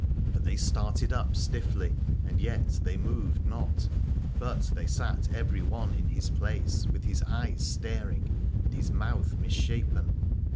For they started up stiffly and yet they moved not : but they sat every one in his place with his eyes staring and his mouth misshapen.